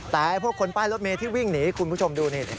แต่พวกคนป้ายรถเมย์ที่วิ่งหนีคุณผู้ชมดูนี่